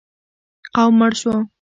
قوم مړ شو.